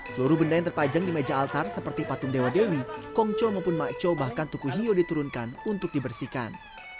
seluruh benda yang terpajang di meja altar seperti patung dewa dewi kongco maupun maco bahkan tuku hiyo diturunkan untuk dibersihkan